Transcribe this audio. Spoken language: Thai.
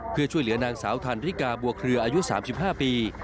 เพื่อช่วยเหลือนางสาวทานริกาบวกเรืออายุสามสิบห้าปี